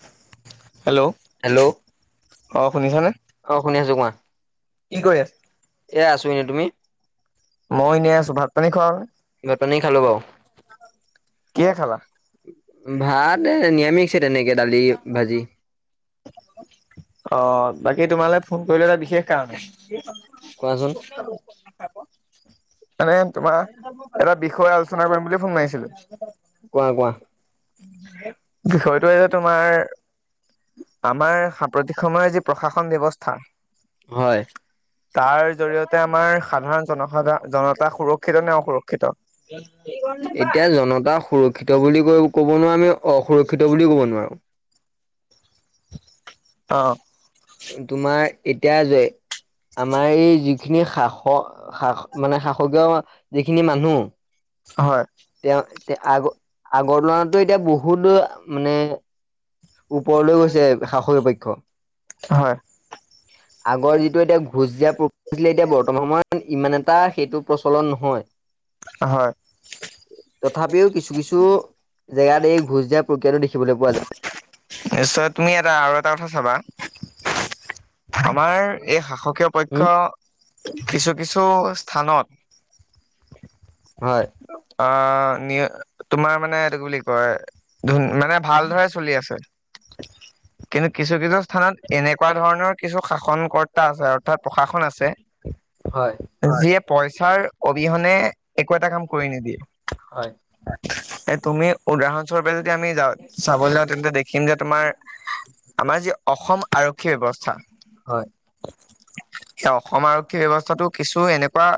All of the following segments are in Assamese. হয় হেল্ল' অঁ শুনিছনে? অ শুনি আছো কোৱা। কি কৰি আছা? এ আছো এনেই। তুমি মইয়ো এনেই আছো ভাত- পানী খোৱা হল। ভাত পানী খালো বাৰু। কিহে খালা? ভাত নিৰামিষছে তেনেকে দালি ভাজি। অ বাকী তোমালে ফোন কৰিলে এটা বিশেষ কাৰণে। কোৱাচোন মানে তোমাৰ এটা বিষয় আলোচনা কৰিম বুলিয়ে ফোন মাৰিছিলো কোৱা কোৱা বিষয়টো যে তোমাৰ আমাৰ সাম্প্ৰতিক সময়ৰ যি প্ৰশাসন ব্যৱস্থা হয় তাৰ জৰিয়তে আমাৰ সাধাৰণ জনসাধাৰ জনতা সুৰক্ষিত নে অসুৰক্ষিত। এতিয়া জনতা সুৰক্ষিত বুলি কৈ কব নোৱাৰো আমি অসুৰক্ষিত বুলিও কব নোৱাৰো। অ তোমাৰ এতিয়া যে আমাৰ এই যিখিনি শাসক মানে শাসকীয় যিখিনি মানুহ হয় তেওঁ তে আগ আগৰ দিনতটো এতিয়া বহুতো মানে ওপৰলৈ গৈছে শাসকীয় পক্ষ। হয় আগৰ যিটো এতিয়া ঘোচ জছিলে এতিয়া বৰ্তমান ইমান এটা সেইটো প্ৰ চলন নহয় হয়। তথাপিও কিছু কিছু জেগাত এই ঘোজ দিয়াৰ প্ৰক্ৰিয়াটো দেখিবলৈ পোৱা যায়। নিশ্চয় তুমি এটা আৰু এটা কথা চাবা। আমাৰ এই শাসকীয় উম, পক্ষ। কিছু কিছু স্থানত হয়। অ নি তোমাৰ মানে এই বুলি কয়। ধুন মানে ভালদৰে চলি আছে। কিন্তু কিছু কিছু স্থানত এনেকুৱা ধৰণৰ কিছু শাসন কৰ্তা আছে অৰ্থাৎ প্ৰশাসন আছে। হয়, যিয়ে পইচাৰ অবিহনে একো এটা কাম কৰি নিদিয়ে। হয়, তুমি উদাহৰণস্বৰূপে যদি আমি য চাবলৈ যাওঁ তেন্তে দেখিম যে তোমাৰ আমাৰ যি অসম আৰক্ষী ব্যৱস্থা হয়। [unintelligible] এ অসম আৰক্ষী ব্যৱস্থাটো কিছু এনেকুৱা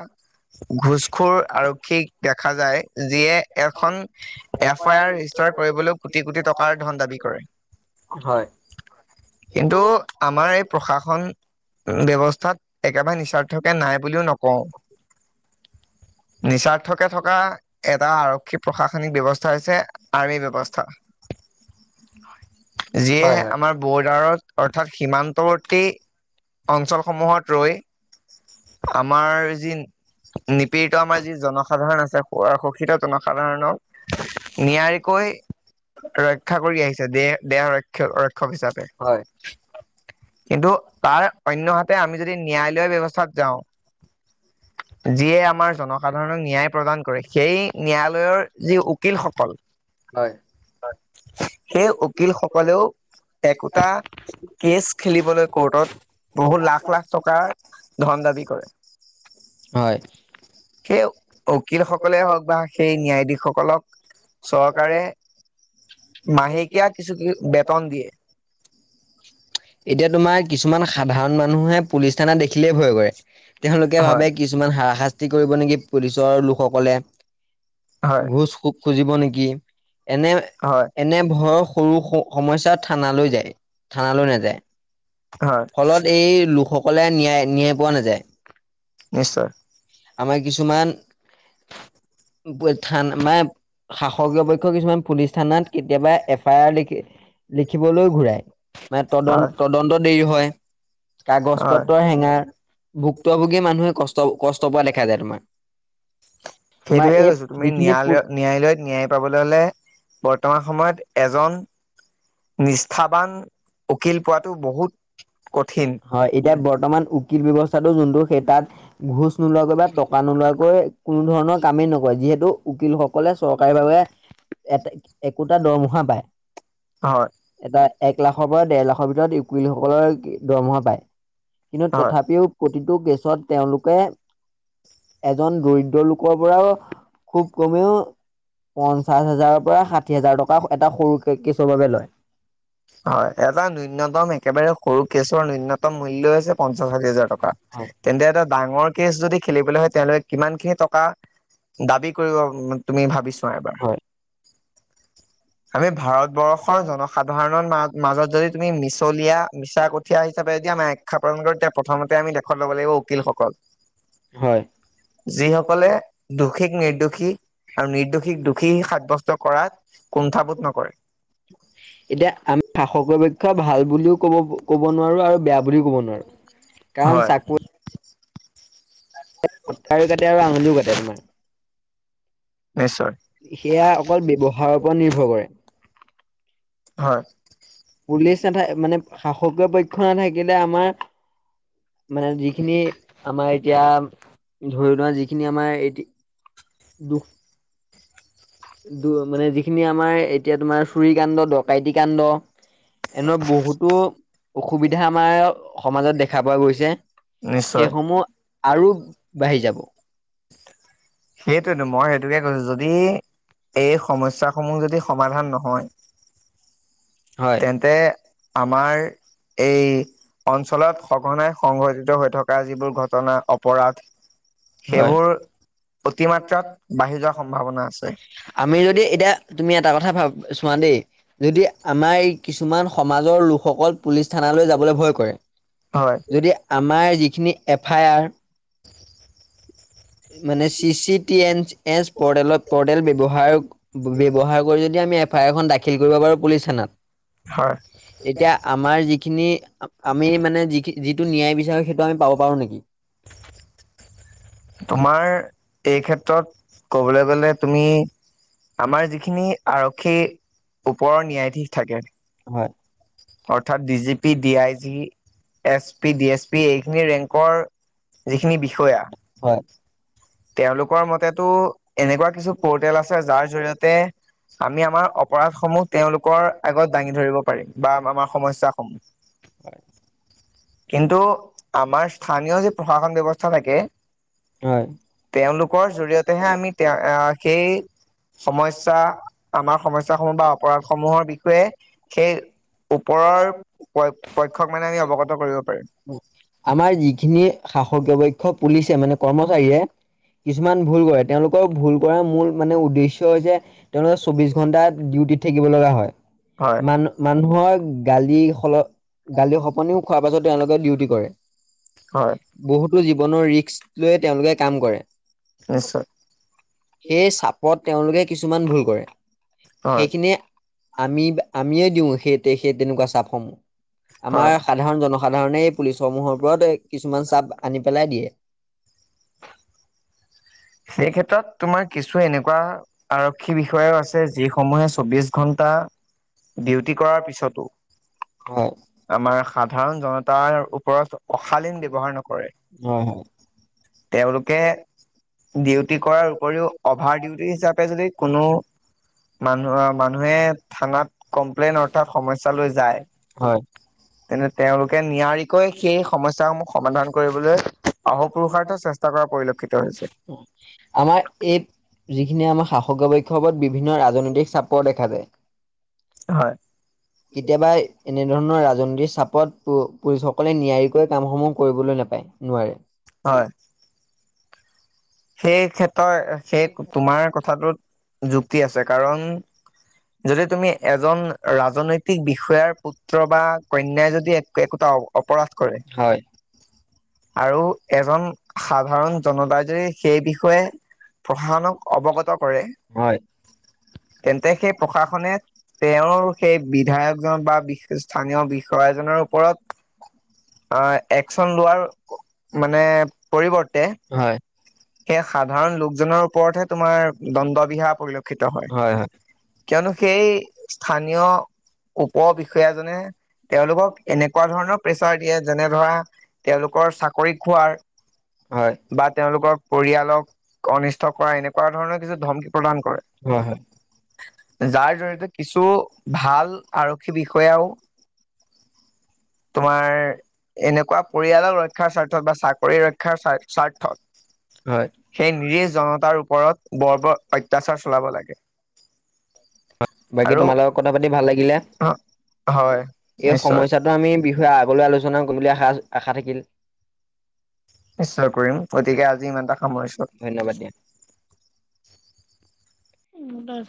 ঘোচখোৰ আৰক্ষীক দেখা দেখা যায়, যিয়ে এখন এফ আই আৰ ৰেজিষ্টাৰ কৰিবলৈ কোটি কোটি টকাৰ ধন দাবী কৰে। হয়, হয়, কিন্তু আমাৰ এই প্ৰশাসন ব্যৱস্থাত একেবাৰে নিস্বাৰ্থকে নাই বুলিও নকওঁ। নিচা কে থকা এটা আৰক্ষী প্ৰশাসনিক ব্যৱস্থা হৈছে আৰ্মি ব্যৱস্থা। যিয়ে হয়, আমাৰ বৰ্ডাৰত অৰ্থাৎ সীমান্তৱৰ্তী। অঞ্চলসমূহত ৰৈ আমাৰ যি নিপীড়িত আমাৰ যি জনসাধাৰণ। শোষিত জনসাধাৰণক নিয়াৰিকৈ। ৰক্ষা কৰি আহিছে, দেহ দেহ ৰক্ষক ৰক্ষক হিচাপে। হয়। কিন্তু তাৰ অন্যহাতে আমি যদি ন্যায়ালয় ব্যৱস্থাত যাওঁ। যিয়ে আমাৰ জনসাধাৰণক। ন্যায় প্ৰদান কৰে সেই ন্যায়ালয়ৰ যি উকিলসকল। হয়, সেই উকিল সকলেও। একোটা কেচ খেলিবলৈ কৰ্টত। বহুত লাখ লাখ টকাৰ ধন দাবী কৰে। হয়। সেই উকিল সকলে হওক বা সেই ন্যায়াধীশ ধীশ সকলক চৰকাৰে। মাহেকীয়া কিছু কি বেতন দিয়ে এতিয়া তোমাৰ কিছুমান। সাধাৰণ মানুহে পুলিচ থানাত দেখিলেই ভয় কৰে। তেওঁলোকে ভাবে হয় কিছুমান হাৰাশাস্তি কৰিব নেকি, পুলিচৰ লোকসকলে হয় ঘোঁচ খো খুজিব নেকি এনে,, হয় এনে ভয়ৰ সৰু সমস্যা থানালৈ যায় থানালৈ নাযায়। হয় ফলত এই লোকসকলে ন্যায়, ন্যায় পোৱা নাযায়। নিশ্চয়। আমাৰ কিছুমান থান মানে। শাসকীয় পক্ষ কিছুমান পুলিচ থানাত কেতিয়াবা এফ আই আৰ লিখে লিখিবলৈ ঘূৰাই, মানে হয় তদন্ত তদন্ত দেৰি হয়। কাগজ হয় পত্ৰ হেঙাৰ ভুক্তভোগী মানুহে কষ্ট কষ্ট পোৱা দেখা যায় তোমাৰ। তোমাৰ সেইটোয়ে এই কৈছো তুমি যিখিনি ন্যায়ালয় ন্যায়ালয়ত ন্যায় পাবলৈ হলে বৰ্তমান সময়ত এজন। নিষ্ঠাবান। উকিল পোৱাটো বহুত কঠিন হয়, এতিয়া বৰ্তমান উকিল ব্যৱস্থা টো যোনটো সেই তাত ঘোচ নোলোৱাকৈ বা টকা নোলোৱাকৈ কোনো ধৰণৰ কামেই নকৰে, যিহেতু। উকিল সকলে চৰকাৰী বাবে একোটা দৰমহা পায়। হয় এটা এক লাখৰ পৰা ডেৰ লাখৰ ভিতৰত উকিল সকলে দৰমহা পায়। কিন্তু হয় তথাপিও প্ৰতিটো কেছত তেওঁলোকে এজন দৰিদ্ৰ লোকৰ পৰাও খুব কমেও পঞ্চাশ হাজাৰৰ পৰা ষাঠি হাজাৰ টকা এটা সৰু কেচৰ বাবে লয়। হয় এটা ন্যূনতম একেবাৰে সৰু কেচৰ ন্যূনতম মূল্যই হৈছে পঞ্চাশ ষাঠি হাজাৰ টকা, হয়, তেন্তে এটা ডাঙৰ কেচ যদি খেলিবলৈ হয় তেওঁলোক কিমানখিনি টকা দাবী কৰিব তুমি ভাবিছোৱা এবাৰ? হয়। আমি ভাৰতবৰ্ষৰ জনসাধাৰণ মাজত যদি তুমি মিছলীয়া, মিছা কঠীয়া হিচাপে যদি আমি আখ্যাপন কৰো তেতিয়া প্ৰথমতে আমি লেখত লব লগীয়া লাগিব উকিলসকল হয়। যিসকলে দোষক নিৰ্দোষী আৰু নিৰ্দোষীক দোষী সাব্যস্ত কৰাত কুণ্ঠাবোধ নকৰে। এতিয়া আমি শাসকীয় পক্ষ ভাল বুলিও ক'ব ক'ব নোৱাৰো আৰু বেয়া বুলিও ক'ব নোৱাৰো কাৰণ হয় চাকৰি কটাৰিও কাটে আৰু আঙুলিও কাটে তোমাৰ নিশ্চয় সেয়া অকল ব্যৱহাৰৰ ওপৰত নিৰ্ভৰ কৰে। হয় পুলিচ এটাই মানে শাসকীয় পক্ষ নাথাকিলে, আমাৰ মানে যিখিনি আমাৰ এতিয়া ধৰি লোৱা, যিখিনি আমাৰ এতি দুখ দু মানে যিখিনি আমাৰ এতিয়া তোমাৰ চুৰি কাণ্ড দ কাইতি কাণ্ড এনেকুৱা বহুতো অসুবিধা আমাৰ সমাজত দেখা পোৱা গৈছে নিশ্চয় সেইসমূহ আৰু বাঢ়ি যাব। সেইটোয়েতো মই সেইটোকে কৈছো যদি এই সমস্যা সমূহ যদি সমাধান নহয়। হয় তেন্তে আমাৰ এই অঞ্চলত সঘনাই সংঘটিত হৈ থকা যিবোৰ ঘটনা অপৰাধ। হয় সেইবোৰ অতিমাত্ৰাত বাঢ়ি যোৱাৰ সম্ভাৱনা আছে! আমি যদি এতিয়া তুমি এটা কথা ভাব চোৱা দেই। যদি আমাৰ এই কিছুমান সমাজৰ লোকসকল পুলিচ থানালৈ যাবলৈ ভয় কৰে হয় যদি আমাৰ যিখিনি এফ আই আৰ মানে চি চিটি এ এচপেল পৰ্টেল ব্যৱহাৰ ব্যৱহাৰ কৰি যদি আমি এফ আই আৰখন দাখিল কৰিব পাৰো পুলিচ থানাত। অ'। তেতিয়া আমাৰ যিখিনি আমি মানে যিখি ন্যায় বিচাৰে সেইটো আমি পাব পাৰো নিকি? [unintelligible] তোমাৰ এই ক্ষেত্ৰত ক'বলে গ'লে তুমি আমাৰ যিখিনি আৰক্ষী ওপৰৰ ন্যায়াধীশ থাকে। হয়, অৰ্থাৎ D G P, D I G, S P, D S P এইখিনি ৰেংকৰ যিখিনি বিষয়া হয়। তেওঁলোকৰ মতেতো এনেকুৱা কিছু পৰ্টেল আছে, যাৰ জৰিয়তে আমি আমাৰ অপৰাধ সমূহ তেওঁলোকৰ আগত দাঙি ধৰিব পাৰিম বা আমাৰ সমস্যা সমূহ। কিন্তু আমাৰ স্থানীয় যি প্ৰশাসন ব্যৱস্থা থাকে। হয়। তেওঁলোকৰ জৰি়য়তেহে আমি তে সেই সমস্যা, আমাৰ সমস্যাসমূহ বা অপৰাধ সমূহৰ বিষয়ে সেই ওপৰৰ প পক্ষক মানে আমি অৱগত কৰিব পাৰিম। আমাৰ যিখিনি শাসকীয় পক্ষ পুলিচে মানে কৰ্মচাৰীয়ে কিছুমান ভুল কৰে, তেওঁলোকৰ ভুল কৰাৰ মূল মানে উদ্দেশ্য হৈছে তেওঁলোকে চৌবিশ ঘন্টা ডিউটি ডিউটি থাকিব লগা হয, হয় মান মানুহৰ গালি, গালি শপনিও খোৱাৰ পাছত তেওঁলোকে ডিউটি কৰে। হয়। বহুতো জীৱনৰ ৰিস্ক লৈয়ে, তেওঁলোকে কাম কৰে। নিশ্চয়। সেই চাপত তেওঁলোকে কিছুমান ভুল কৰে, হয় সেইখিনিয়ে আমি আমিয়ে দিও, সেই সেই তেনেকুৱা চাপসমূহ হয় আমাৰ সাধাৰণ জন সাধাৰণে এই পুলিচসমূহৰ ওপৰত কিছুমান চাপ আনি পেলাই দিয়ে। সেই ক্ষেত্ৰত তোমাৰ কিছু এনেকুৱা আৰক্ষী বিষয়াও আছে, যিসমূহে চৌবিশ ঘন্টা। ডিউটি কৰাৰ পিছতো হয় আমাৰ সাধাৰণ জনতাৰ ওপৰত অশালীন ব্যৱহাৰ নকৰে হয় হয় তেওঁলোকে ডিউটি কৰাৰ উপৰিও অভাৰ ডিউটি হিচাপে যদি কোনো মানুহ মানুহে থানাত কমপ্লেইন অৰ্থাৎ সমস্যা লৈ যায় হয় তেন্ত তেওঁলোকে নিয়াৰিকৈ সেই সমস্যাস সমূহ সমাধান কৰিবলৈ অহোপুৰুষাৰ্থ চেষ্টা কৰা পৰিলক্ষিত হৈছে আমাৰ এই যি এইখিনিয়ে আম শাসকীয় বৈক্ষৱত বিভিন্ন ৰাজনৈতিক চাপৰ দেখা যায় হয় এনে ধৰণৰ ৰাজনৈতিক চাপত প পুলিচসকলে নিয়াৰিকৈ কামসমূহ কৰিবলৈ নাপায় নোৱাৰে হয় সেই ক্ষেত্ৰৰ সেই তোমাৰ কথাটোত যুক্তি আছে কাৰণ যদি তুমি এজন ৰাজনৈতিক বিষয়াৰ পুত্ৰ বা কন্যাই যদি এক একোটা অপৰাধ কৰে হয় আৰু এজন সাধাৰণ জনতা যে সেই বিষয়ে প্ৰশাসনক অৱগত কৰে হয় তেন্তে সেই প্ৰশাসনে তেওঁৰ সেই বিধায়কজন বা বিশ স্থানীয় খয়াইজনৰ ওপৰত আহ একচন লোৱাৰ মানে পৰিৱৰ্তে হয় সেই সাধাৰণ লোকজনৰ ওপৰতহে তোমাৰ দণ্ডবিহা পৰিল থিত হয় কিয়নো সেই স্থানীয় উপ বিষয়াজনে তেওঁলোকক এনেকুৱা ধৰণৰ প্ৰেচাৰ দিয়ে যেনে ধৰা তেওঁলোকৰ চাকৰি খোৱাৰ হয় ৰ পৰিয়ালক অনিষ্ট কৰা এনেকুৱা ধৰণৰ কিছু ধমকি প্ৰদান কৰে হয় হয় যাৰ জৰি়য়তে কিছু ভাল আৰক্ষী বিষয়াও তোমাৰ এনেকুৱা পৰিয়ালৰ ৰক্ষাৰ স্বাৰ্থত বা চাকৰি ৰক্ষাৰ স্ব স্বাৰ্থত হয় সেই নিৰি জনতাৰ ওপৰত বৰ বৰ অত্যাচাৰ চলাব লাগে বাকী আৰু তোমাৰ লগত কথা পাতি ভাল লাগিলে হয় এই নিশ্চয় সমস্যাটো আমি বিষয়ে আগলৈ আলোচনা কৰিম বুলি আশা থাকিল নিশ্চয় কৰিম গতিকে আজি ইমানটা সামৰিছো ধন্যবাদ দিয়া উম